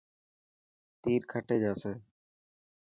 تير کٽي جاسي.